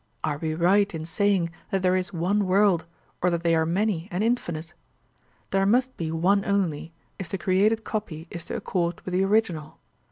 Are we right in saying that there is one world, or that they are many and infinite? There must be one only, if the created copy is to accord with the original.